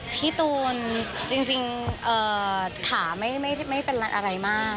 พี่ตูนจริงถามไม่เป็นไรอะไรมาก